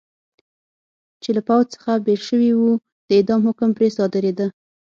چې له پوځ څخه بېل شوي و، د اعدام حکم پرې صادرېده.